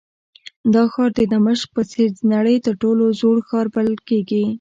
دا ښار د دمشق په څېر د نړۍ تر ټولو زوړ ښار بلل کېږي.